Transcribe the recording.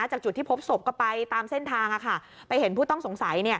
จากจุดที่พบศพก็ไปตามเส้นทางไปเห็นผู้ต้องสงสัยเนี่ย